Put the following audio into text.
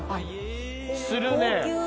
するね。